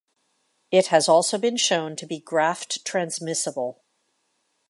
It has also been shown to be graft-transmissible.